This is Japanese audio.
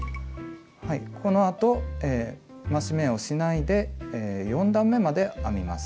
このあと増し目をしないで４段めまで編みます。